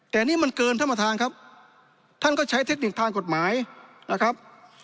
แต่นี่มันเกินท่านประธานครับท่านก็ใช้เทคนิคทางกฎหมายนะครับ